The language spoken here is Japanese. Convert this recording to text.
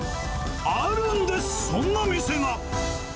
あるんです、そんな店が。